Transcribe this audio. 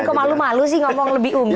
kok malu malu sih ngomong lebih unggul